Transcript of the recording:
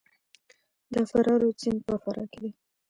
د فرا رود سیند په فراه کې دی